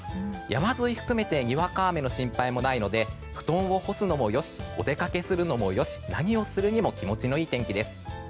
山沿いを含めてにわか雨の心配もないので布団を干すのも良しお出かけするにも良し何をするにも気持ちのいいお天気です。